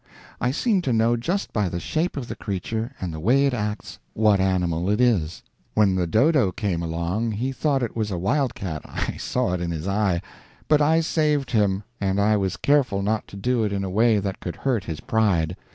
I seem to know just by the shape of the creature and the way it acts what animal it is. When the dodo came along he thought it was a wildcat I saw it in his eye. But I saved him. And I was careful not to do it in a way that could hurt his pride.